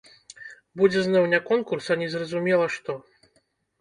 Будзе зноў не конкурс, а незразумела што!